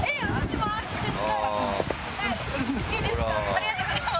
ありがとうございます！